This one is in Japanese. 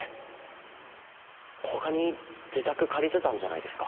他に自宅借りてたんじゃないですか。